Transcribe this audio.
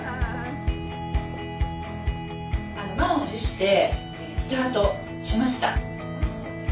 満を持してスタートしました。